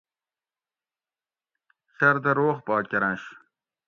شردہ روغ پا کرۤنش